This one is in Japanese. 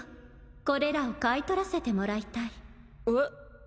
これらを買い取らせてもらいたいえっ？